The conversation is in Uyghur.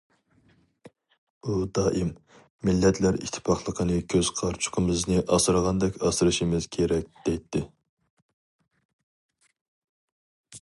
ئۇ دائىم:‹‹ مىللەتلەر ئىتتىپاقلىقىنى كۆز قارىچۇقىمىزنى ئاسرىغاندەك ئاسرىشىمىز كېرەك››، دەيتتى.